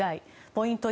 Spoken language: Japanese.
ポイント